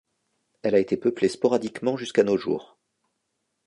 Elle a été peuplée sporadiquement jusqu'à nos jours.